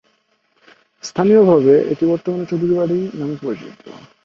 স্থানীয়ভাবে এটি বর্তমানে চৌধুরী বাড়ি নামে পরিচিত।